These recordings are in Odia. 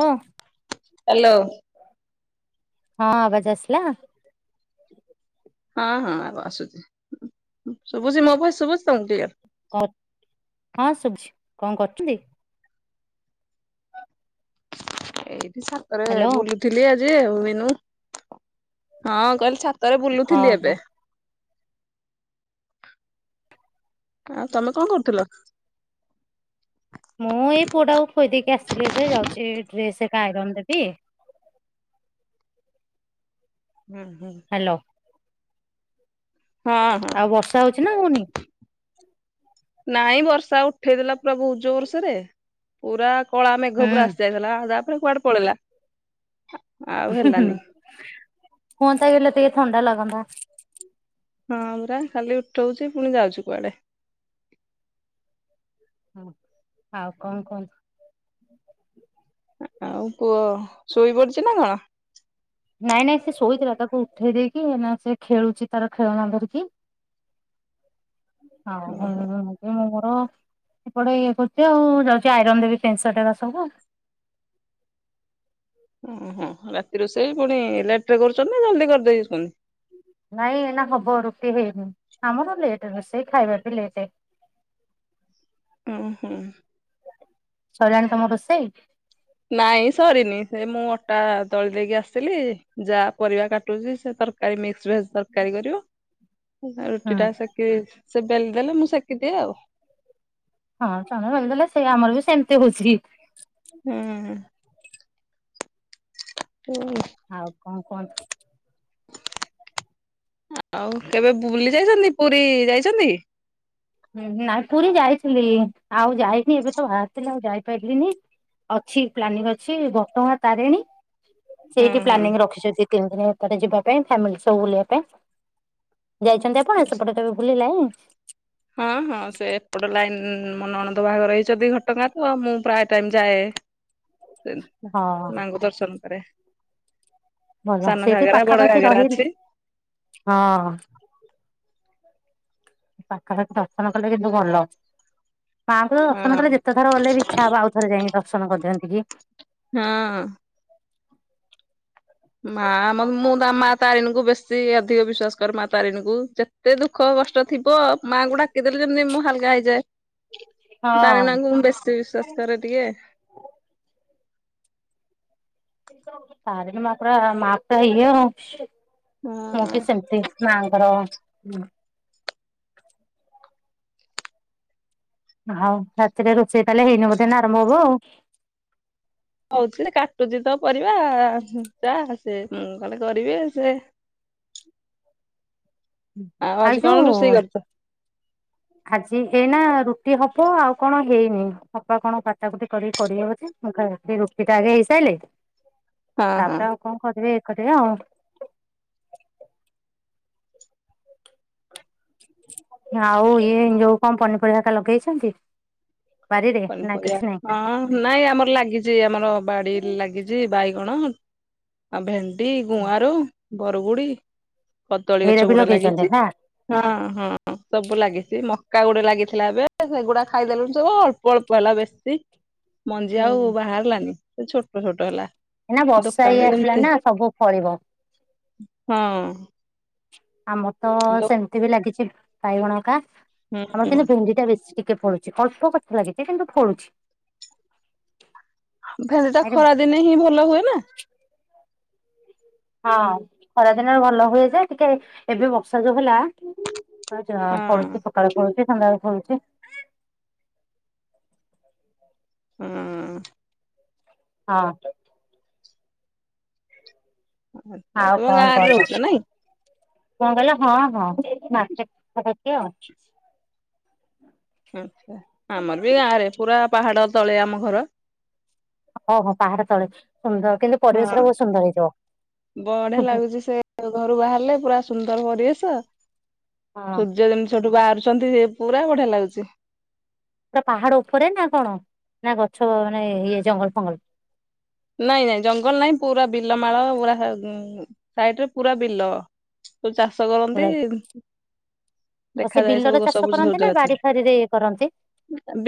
ଓ ହାଲୋ। ହଁ ଆବାଜ ଆସିଲା? ହଁ ହଁ ଆବା ଆସୁଛି। ଶୁଭୁଛି ମୋ ଭଏସ୍ ଶୁଭୁଛି ତମକୁ କ୍ଲିଅର? ହଁ ଶୁଭୁଛି। କଣ କରୁଛନ୍ତି? ଏଇଠି ସାତରେ ହ୍ୟାଲୋ ବୁଲୁଥିଲି ଆଜି ଆଉ। ମିନୁ ହଁ କହିଲି ଛା ତରେ ହଁ ବୁଲୁଥିଲି ହଁ ଏବେ। ଆଉ ତମେ କଣ କରୁଥିଲ? ମୁଁ ଏଇ ପୁଅଟାକୁ ଖୁଆଇଦେଇକି ଆସିଲି ଏବେ। ଯାଉଛି ଡ୍ରେସ ଏକା ଆଇରନ୍ ଦେବି। ହୁଁ ହୁଁ। ହାଲୋ। ହଁ ହଁ ଆଉ ବର୍ଷା ହଉଛି ନା ହଉନି? ନାଇଁ ବର୍ଷା ଉଠେଇଦେଲା ପୁରା ବୋହୁତ ଯୋର୍ ସୋରେ। ପୁରା କଳା ହୁଁ ମେଘ ପୁରା ଆସିଯାଇଥିଲା। ତାପରେ କୁଆଡେ ପଳେଇଲା। ଆଉ ହେଲାନି। ହୁଅନ୍ତା କି? ଟିକେ ହେଲେ ଥଣ୍ଡା ଲାଗନ୍ତା। ହଁ ପରା ଖାଲି ଉଠଉଛି ପୁଣି ଯାଉଛି କୁଆଡେ? ହଁ। ଆଉ କଣ କୁହନ୍ତୁ? ଆଉ କୁହ ଶୋଇ ପଡିଛି ନା କଣ? ନାଇଁ ନାଇଁ ସେ ଶୋଇଥିଲା। ତାକୁ ଉଠେଇ ଦେଇେଇକି, ସେ ଖେଳୁଛି ତାର ଖେଳନା ଧରିକି। ଆଉ ହଁ ଓହୋ [unintelligible] ମୁଁ ମୋର ଏପଟେ ଇଏ କରୁଛି ଆଉ। ଯାଉଛି ଆଇରନ୍ ଦେବି ଫେନ୍ଟ ସାର୍ଟ ଗୁରାସବୁ। ଓହୋ। ରାତି ରୋଷେଇ ପୁଣି ଲେଟ ରେ କରୁଛନ୍ତି ନା ଜଲଦି କରିଦେଇଉଛନ୍ତି? ନାଇଁ ଏଇନା ହବ ରୁଟି ହେଇନି। ଆମର ଲେଟ୍ ରୋଷେଇ ଖାଇବା ବି ଲେଟେ। ଓହୋ। ସରିଲାଣି ତମ ରୋଷେଇ? ନାଇଁ ସରିନି। ସେ ମୁଁ ଅଟା ଦଳି ଦେଇକି ଆସିଲି। ଯା ପରିବା କାଟୁଛି ସେ ତର କାରି ମିକ୍ସ ଭେଜ୍ ତରକାରୀ କରିବ। ହୁଁ ରୁଟି ଟା ସେ ବେଲି ଦେଲେ ମୁଁ ସେକି ଦିଏ ଆଉ। ହଁ ଚନ୍ଦ ଭ ଦେଲେ ସେ ଆମର ବି ସେମିତି ହଉଛି। ହୁଁ। ହୁଁ ଆଉ କଣ କୁହନ୍ତୁ? ଆଉ କେବେ ବୁଲି ଯାଇଛନ୍ତି ପୁରୀ ଯାଇଛନ୍ତି? ହୁଁ ନାଇଁ ପୁରୀ ଯାଇଥିଲି ଆଉ ଯାଇନି ଏବେ ତ ବାହାରିଥିଲି ଆଉ ଯାଇପାରିଲିନି। ଅଛି ପ୍ଲାନିଂ ଅଛି ଘଟଗାଁ ତାରିଣୀ ହୁଁ ସେଇଠି ହୁଁ। ପ୍ଲାନିଂ ରଖିଛନ୍ତି। ତିନି ଦିନ ଭିତରେ ଯିବା ପାଇଁ ଫ୍ୟାମିଲି ସବୁ ବୁଲିବା ପାଇଁ ଯାଇଛନ୍ତି। ଆପଣ ସେପଟେ ତେବେ ଭୁ [unintelligible] ହଁ ହଁ ସେ ଏପଟ ଲାଇନ୍ ମୋ ନଣନ୍ଦ ବାହାଘର ହେଇଛନ୍ତି ଘଟଗାଁ ତ ମୁଁ ପ୍ରାୟ ଟାଇମ ଯାଏ। ହଁ ମାଙ୍କୁ ଦର୍ଶନ କରେ। ଭଲ ସାନ ସେଇଠି ଘାଗରା ବଡ ପାଖାପାଖି ଘାଗରା ରହି ଅଛି ହଁ। ପାଖାପାଖି ଦର୍ଶନ କଲେ କିନ୍ତୁ ଭଲ ମାଙ୍କୁ ହଁ ଦର୍ଶନ କଲେ ଯେତେ ଥର ଗଲେ ବି ଇଚ୍ଛା ହବ ଆଉଥରେ ଯାଇକି ଦର୍ଶନ କରିଦିଅନ୍ତି କି। ହଁ। ମା ମ ମୁଁ ତ ମା ତାରିଣୀକୁ ବେଶୀ ଅଧିକ ବିଶ୍ଵାସ କରେ ମା ତାରିଣୀକୁ ଯେତେ ଦୁଃଖ କଷ୍ ଟ ଥିବ ମାଆଙ୍କୁ ଡାକିଦେଲେ ଯେମିତି ମୁଁ ହାଲକା ହେଇଯାଏ। ହଁ ତାରିଣାଙ୍କୁ ମୁଁ ବେଶୀ ବିଶ୍ଵାସ କରେ ଟିକେ। ତାରିଣୀ ମା ପରା ମା ପୁରା ଇଏ ମୁଁ ହଁ। ବି ସେମିତି ମାଁଙ୍କର ହଉ ରାତିରେ ରୋଷେଇ ତାହେଲେ ହେଇନି ବୋଧେ ଏଇନା ଆରମ୍ଭ ହବ ଆଉ? କହୁଥିଲି କାଟୁଛି ତ ପରିବା ଯା ସେ ମୁଁ କଣ କରିବି ସେ ଆଉ ଆଜି ଖାଇଛୁ? କଣ ରୋଷେଇ କରିଛ? ଆଜି ଏଇ ନା ରୁଟି ହବ ଆଉ କଣ ହେଇନି ହବା କଣ କାଟା କୁଟି କରିକି କରିବି ପଛେ ଆଗ ରୁଟି ଟା ଆଗେ ହେଇସାରିଲେ ହଁ ହଁ ତାପରେ ଆଉ କଣ କରିବି ଏକଟେ ଆଉ। ଆଉ ଇଏ ଯୋଉ କଣ ପନିପରିବା ଲଗେଇଛନ୍ତି ବାରିରେ ନା ପନିପରିବା କିଛି ନାଇଁ? ହଁ ନାଇଁ ଆମର ଲାଗିଛି ଆମର ବାଡିରେ ଲାଗିଛି ବାଇଗଣ, ଆଉ ଭେ ଣ୍ଡି, ଗୁଆଁର, ବରଗୁଡି କଦଳୀ ଏଇରା ଗଛ ବି ଗୁଡା ଲଗେଇଛନ୍ତି ଲାଗିଛି। ନା ହଁ ହଁ ସବୁ ଲାଗିଛି ମକା ଗୁଡ଼ା ଲାଗିଥିଲା ଏବେ ସେଗୁଡା ଖାଇଦେଲୁଣି ସବୁ ଅଳ୍ ଅଳ୍ପ ହେଲା ବେଶୀ ମଞ୍ଜି ଆଉ ବାହାରିଲାନି ସେ ଛୋଟ ଛୋଟ ହେଲା। ଏଇ ନା ବର୍ଷା ହେଇ ଦୋକାନରେ ଆସିଲା ଯେମିତି ନା ସବୁ ଫଳିବ। ହଁ। ଆମର ତ ଦୋ ସେମିତି ବି ଲାଗିଛି ବାଇଗଣ ହେକା। ହୁଁ ଆମର ହୁଁ କିନ୍ତୁ ଭେଣ୍ଡି ଟା ବେଶୀ ଟିକେ ଫଳୁଛି। ଅଳ୍ପ ଗଛ ଲାଗିଛି କିନ୍ତୁ ଫଳୁଛି। ଭେଣ୍ଡିଟା ଆଜ୍ଞା ଖରା ଦିନେ ହିଁ ଭଲ ହୁଏ ନା। ହଁ ଖରାଦିନରେ ଭଲ ହୁଏ ଯେ ଟିକେ ଏବେ ବର୍ଷା ଯୋଉ ହେଲା। ହଁ ଯାହା ହଁ। ଫଳୁଛି ସକାଳେ ଫଳୁଛି ସନ୍ଧ୍ୟା ରେ ଫଳୁଛି। ହୁଁ। ହଁ। ଆଚ୍ଛା ଆଉ ତୁମ କଣ ଗାଁରେ ରହୁଛ କହୁଛ? ନାଇଁ କଣ କହିଲ ହଁ ହଁ ମାର୍କେଟ [unintelligible] ଆଉ। ହୁଁ ଆମର ବି ଗାଁ ରେ ପୁରା ପାହାଡ ତଳେ ଆମ ଘର। ଓହୋ ପାହାଡ଼ ତଳେ ସୁନ୍ଦର କିନ୍ତୁ ପରିବେଶ ହଁ। ଟା ବହୁତ ସୁନ୍ଦର ବଢିଆ ହେଇଥିବ। ଲାଗୁଛି ସେ ଘରୁ ବାହାରିଲେ ପୁରା ସୁନ୍ଦର ପରିବେଶ ସୂର୍ଯ୍ୟ ଯେମିତି ସେଠୁ ବାହାରୁଛନ୍ତି ପୁରା ବଢିଆ ଲାଗୁଛି। ପୁରା ପାହାଡ ଉପରେ ନା କଣ ନା ଗଛ ମାନେ ଇଏ ଜଙ୍ଗଲ ଫଙ୍ଗଲ। ନାଇଁ ନାଇଁ ଜଙ୍ଗଲ ନାଇଁ ପୁରା ବିଲ ମାଳ ପୁରା ସାଇଡରେ ପୁରା ବିଲ। ସବୁ ଚାଷ କରନ୍ତି। ପୁରା ସେ ଦେଖାଯାଏ ସବୁ ବିଲରେ ଚାଷ ସବୁଜ ସବୁଜ କରନ୍ତି ନା ଗଛରେ। ବାଡି ଫାରି ରେ ଇଏ କରନ୍ତି।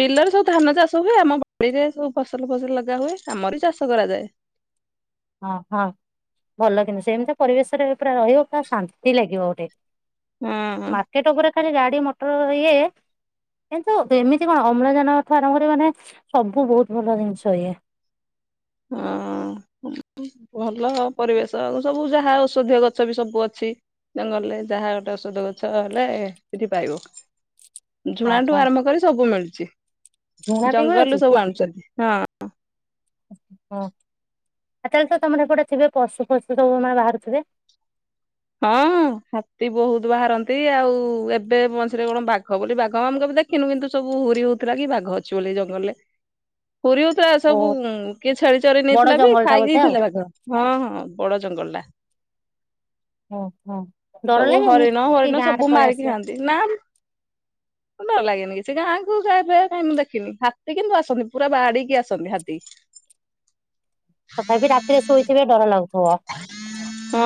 ବିଲରେ ସବୁ ଧାନ ଚାଷ ହୁଏ ଆମ ବାଡ଼ିରେ ସବୁ ଫସଲ ଫସଲ ଲଗା ହୁଏ। ଆମରି ଚାଷ କରାଯାଏ। ହଁ ହଁ ଭଲ କିନ୍ତୁ ସେମିତି ପରିବେଶରେ ପୁରା ରହିବ ପୁରା ଶାନ୍ତି ଲାଗିବ ଗୋଟେ। ହୁଁ। ଏ ତ ଗୁରେ ଖାଲି ଗାଡ଼ି ମଟର ଇଏ। କିନ୍ତୁ ଦେ ଏମିତି କଣ ଅମ୍ଳଜାନଠୁ ଆରମ୍ଭ କରି ମାନେ ସବୁ ବହୁତ ଭଲ ଜିନିଷ ଇଏ। ଅଁ ଭଲ ଆଉ ପରିବେଶ ଆଉ ସବୁ ଯାହା ଔଷଧୀୟ ଗଛ ବି ସବୁ ଅଛି। ଜଙ୍ଗଲରେ ଯାହା ଗୋଟେ ଔଷଧ ଗଛ ହେଲେ ସେଠି ପାଇବ। ହଁ ଝୁଣାଠୁ ହଁ ଆରମ୍ଭ କରି ସବୁ ମିଳୁଚି ଝୁଣା ବି ମିଳୁଛି ଜଙ୍ଗଲରୁୁ ସବୁ ଆଣୁଚନ୍ତି ହଁ। ହଁ ଆ ତାହେଲେ ତ ତମର ହେପଟେ ଥିବେ ପଶୁ ଫଶୁ ସବୁ ମା ବାହାରୁଥୁବେ। ହଁ ହାତୀ ବହୁତ ବାହାରନ୍ତି ଆଉ ଏବେ ମଝିରେ କଣ ବାଘ ବୋଲି ବାଘ ମୁଁ କେବେ ଦେ ଖିନୁ କିନ୍ତୁ ସବୁ ହୁରି ହୋଉଥୁଲା କି ବାଘ ଅଛି ବୋଲି ଜଙ୍ଗଲରେ। ହୁରୀ ହୋଉଥୁଲା ଓ ସବୁ କିଏ ଛେଳି ଚରି ବଡ ନେଇଥିଲା ବି ଜଙ୍ଗଲ ଟା ଖାଇକି ବୋଧେ ଆଉ ହେଇଦେଥିଲା ବାଘ। ହଁ ହଁ ବଡ଼ ଜଙ୍ଗଲଟା। ଓହୋ। ସବୁ ହରିଣ ହରିଣ ସବୁ ମାରିକି ଖାଆନ୍ତି ନାଁ। ଡର ଲାଗେନି କିଛି ଗାଁକୁୁ କେବେ କାଇଁ ମୁଁ ଦେଖିନି ହାତୀ କିନ୍ତୁ ଆସନ୍ତି ପୁରା ବାଡି଼କି ଆସନ୍ତି ହାତୀ। ତଥାପି ରାତିରେ ଶୋଇଥିବେ ଡର ଲାଗୁଥୁବ। ହଁ।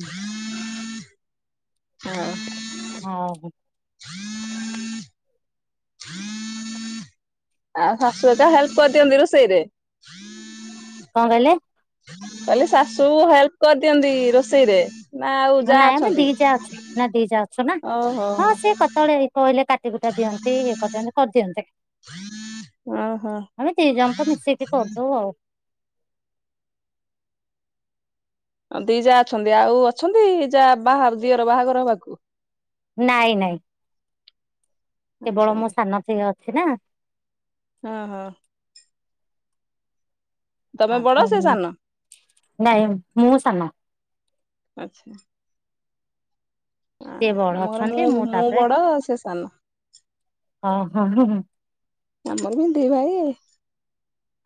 ହୁଁ। ହଁ। ହଁ ହୁଁ। [inaudible] ଆଉ ଶାଶୁ ଏକା ହେଲ୍ପ କରିଦିଅନ୍ତି ରୋଷେଇରେ। କଁ କହିଲେ? କହଲି ଶାଶୁ ହେଲ୍ପ କରିଦିଅନ୍ତି ରୋଷେଇରେ। ନା ଆଉ ହଁ ଯା ନାଇଁ ଆମେ ଦି ଅଛନ୍ତି ଯା ଅଛୁ ନାଁ ଦି ଯା ଅଛୁ ନାଁ ଓହୋ ହଁ ସିଏ କତଳେ କହିଲେ କା ଟି କୁଟା ଦିଅନ୍ତି ଇଏ କରିଦିନ୍ତି କରିଦିଅନ୍ତି। ଓହୋ ଆମେ ଦି ଜଣ ତ ମିଶେଇକି କରିଦୋଉ ଆଉ। ଅଁ ଦି ଯା ଅଛନ୍ତି ଆଉ ଅଛନ୍ତି ଯା ବାହା ଦିଅର ବାହାଘର ହବାକୁ? ନାଇଁ ନାଇଁ। କେବଳ ମୋ ଅଛନ୍ତି ସାନ ଥେ ଅଛି ନା। ହଁ ହଁ। ତମେ ହଁ ବଡ ହଁ ସେ ମୁଁ ସାନ? ନାଇଁ ମୁଁ ସାନ। ଆଚ୍ଛା। ଆ ସିଏ ବଡ ଆମ ଘରେ ମୁଁ ଅଛନ୍ତି ମୁଁ ତାପରେ ବଡ଼ ସେ ସାନ। ହଁ ହଁ ହଁ। ଆମର ବି ଦି ଭାଇ।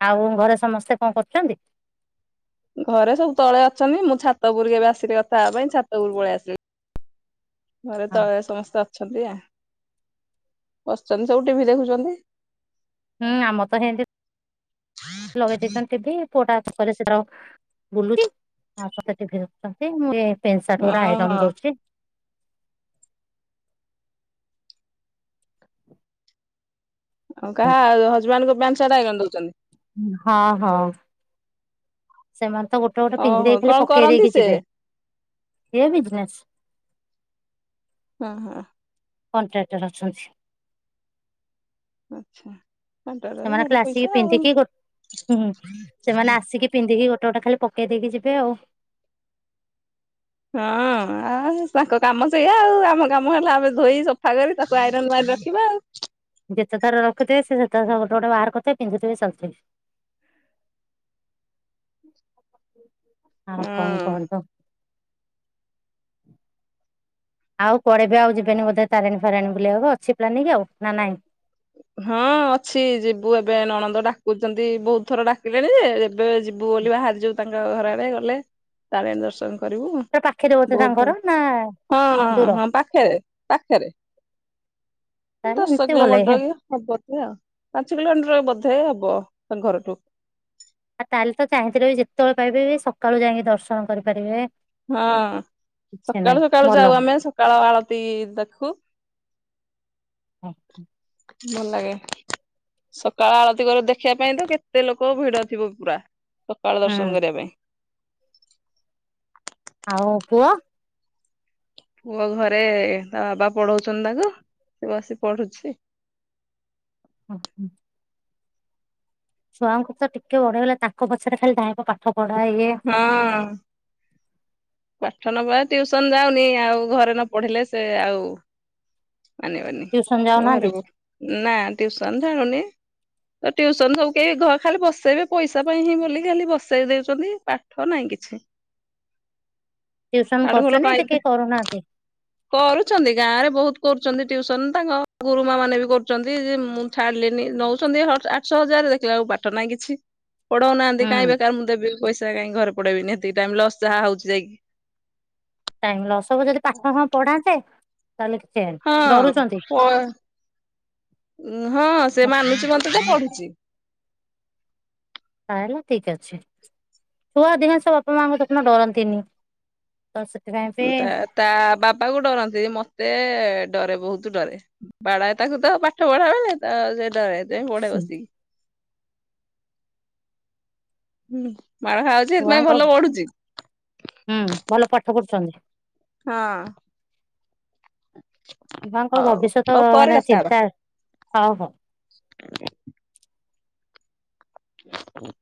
ଆଉ ଘରେ ସମସ୍ତେ କଁ କରୁଚନ୍ତି? ଘରେ ସବୁ ତଳେ ଅଛନ୍ତି ମୁଁ ଛାତ ଓପୁରୁକୁ ଏବେ ଆସିଲି କଥା ହବା ପାଇଁ ଛାତ ଓପୁରୁ ପଳିଆସିଲି। ଘରେ ହଁ ତଳେ ସମସ୍ତେ ଅଛନ୍ତି ଆ ବସିଚନ୍ତି ସବୁ ଟି ଭି ଦେଖୁଚନ୍ତି। ହୁଁ ଆମର ତ ହେନ୍ତି ଲଗେଇ ଦେଇଛନ୍ତି ଟି ଭି। ପୁଅଟା କରେ ସେ ତାର ବୁଲୁଚି ଆଉ [unintelligible] ଛନ୍ତି ଇଏ ପେଁ ସାର୍ଟ ଉଡ଼ା ଆଇରନ୍ ଓହୋ ଦଉଚି। ଆଉ କାହା ଆଉ ହଜବ୍ୟାଣ୍ଡଙ୍କ ପ୍ୟାଣ୍ଟ୍ ସାର୍ଟ ଆଇରନ୍ ଦୋଉଚନ୍ତି। ହଁ ହଁ। ସେମାନେ ତ ଗୋଟେ ଗୋଟେ ପିନ୍ଧି ଓହୋ ଦେଇ ଖାଲି କଣ ପକେଇ କରନ୍ତି ଦେଇକି ସେ? ଯିବେ। ଏ ବିଜ୍ନେସ୍। ହଁ- ହଁ। କଣ୍ଟ୍ରାକ୍ଟର ଅଛନ୍ତି। ଆଚ୍ଛା। କଣ୍ଟ୍ରାକ୍ଟର ସେମାନେ ଭଲ ଖାଲି ପଇସା ଆସିକି ଆଉ। ପିନ୍ଧିକି ଗୋ- ହୁଁ- ସେମାନେ ଆସିକି ପିନ୍ଧିକି ଗୋଟେ ଗୋଟେ ଖାଲି ପକେଇ ଦେଇକିି ଯିବେ ଆଉ ହଁ ଆଉ ତାଙ୍କ କାମ ସେଇଆ ଆଉ ଆମ କାମ ହେଲା ଆମେ ଧୋଇ ସଫା କରି ତାକୁ ଆଇରନ୍ ମାରି ରଖିବା ଆଉ। ଯେତେଥର ରଖୁଥିବି ସେତେଥର ଗୋଟେ ଗୋଟେ ବାହାର କରୁଥିବେ ପିନ୍ଧିଥିବେ ଚାଲିଥିବେ। ଆଉ କଣ ହଁ କହନ୍ତୁ? ଆଉ କୁଆଡେ ଏବେ ଆଉ ଯିବନେ ବୋଧେ ତାରିଣୀ ଫାରିଣୀ ବୁଲିବାକୁ ଅଛି ପ୍ଲାନିଂ କି ଆଉ ନା ନାଇଁ? ହଁ ଅଛି ଯିବୁ ଏବେ ନଣନ୍ଦ ଡାକୁଚନ୍ତି ବହୁତ୍ ଥର ଡାକିଲେଣି ଯେ ଏବେ ଯିବୁ ବୋଲି ବାହାରିଚୁ ତାଙ୍କ ଘରଆଡେ ଗଲେ ତାରିଣୀ ଦର୍ଶନ କରିବୁ ପୁରା ପାଖରେ ବୋଧେ ବହୁତ୍ ଥର ତାଙ୍କର ନା ହଁ- ଦୂର ହଁ ପାଖେରେ ପାଖେରେ। [unintelligible] ଭଲ କିଲୋମିଟର ହେ କି ହବ ସେ ପାଞ୍ଚ କିଲୋମିଟର ବୋଧେ ହବ ତାଙ୍କ ଘରଠୁ। ଆଉ ତାହେଲେ ତ ଚାହିଁଥିଲେ ବି ଯେତେବେଳେ ପାଇବେ ସକାଳୁ ଯାଇକି ଦର୍ଶନ କରିପାରିବେ। କିଛି ସକାଳୁ ନାହିଁ ସକାଳୁ ଭଲ ଯାଉ ଆମେ ସକାଳ ଆଳତି ଦେଖୁ। [inaudible] ଭଲ୍ ଲାଗେ। ସକାଳ ଆଳତି କରି ଦେଖିବା ପାଇଁ ତ କେତେ ଲୋକ ଭିଡ ଥିବ ପୁରା ସକାଳ ଦର୍ଶନ କରିବା ପାଇଁ। ଆଉ ପୁଅ? ପୁଅ ଘରେ ତା ବାବା ପଢଉଚନ୍ତି ତାକୁ ସେ ବସି ପଢୁଚି। ହଁ ହଁ ଛଆଙ୍କୁ ତ ଟିକେ ବଡ ହେଇଗଲା ତାଙ୍କ ପଛରେ ଖାଲି ଧାଇଁବ ପା ପାଠ‌ପଢା ଇଏ ହଁ। ପାଠ ନବା ଟ୍ୟୁସନ୍ ଯାଉନି ଆଉ ଘରେ ନ ପଢିଲେ ସେ ଆଉ ମାନିବନି ଟିଉସନ ଯାଉନାହାନ୍ତି ଘରକୁ- ନା ଟ୍ୟୁସନ୍ ଯାଉନି। ତ ଟ୍ୟୁସନ୍ ସବୁ କେହି ଘ- ଖାଲି ବସେଇବେ ପଇସା ପାଇଁ ହିଁ ବଲିକି ଖାଲି ବସେଇ ଦଉଚନ୍ତି ପାଠ ନାହିଁ କିଛି। ଟିଉସନ୍ କରୁଚନ୍ତି ଏଠି କିଏ କରୁନାହାନ୍ତି? କରୁଚନ୍ତି ଗାଁ ରେ ବହୁତ୍ କରୁଚନ୍ତି ଟିଉସନ୍ ତାଙ୍କ ଗୁରୁମା ମାନେ ବି କରୁଚନ୍ତି ଯେ ମୁଁ ଛାଡିଲିନି ନଉଚନ୍ତି ହ-ଆଠଶ ହଜାର୍ ଦେଖିଲାକୁ ପାଠ ନାହିଁ କିଛି। ପଢଉନାହାନ୍ତି ହୁଁ କାଇଁ ବେକାର୍ ମୁଁ ଦେବି ପଇସା କାଇଁ ଘରେ ପଢେଇବିନି ଏତିକି ଟାଇମ୍ ଲସ୍ ଯାହା ହଉଚି ଯାଇକି। ଟାଇମ୍ ଲସ୍ ଯଦି ପାଠ ହଁ ପଢାନ୍ତେ ତାହେଲେ [unintelligible] ହଁ -ଡରୁଚନ୍ତି? ଉଁ -ହଁ ସେ ମାନୁଚି ମତେ ତ ପଢୁଚି। ତାହେଲେ ଠିକ୍ ଅଛି ଛୁଆ [unintelligible] ବାପା ମାଆଙ୍କୁ ଦେଖୁନ ଡରନ୍ତିନି। ତ ସେଥିପାଇଁ ବି ତା ତା ବାବାକୁ ଡରନ୍ତିନି ମତେ ଡରେ ବହୁତୁ ଡରେ। ବାଡାଏ ତାକୁ ତ ପାଠ ପଢା ବେଳେ ତ ସେ ଡରେ। ସେ ପଢେ ବସିକି - ମାଡ ଖାଉ ଛୁଆଙ୍କ ହୁଁ- ଭଲ ପାଠ ପଢୁଚନ୍ତି? ହଁ। ଁ ଛୁଆଙ୍କ ଭବିଷ୍ୟତ ମାନେ ଚିନ୍ତା- ହଁ ହଉ। ଓ ହୁଁ